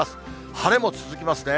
晴れも続きますね。